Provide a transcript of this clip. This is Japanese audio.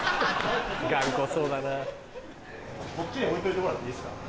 こっちに置いといてもらっていいっすか？